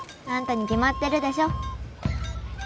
あんたに決まってるでしょ